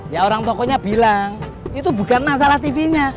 ya orang tokonya bilang itu bukan masalah tv nya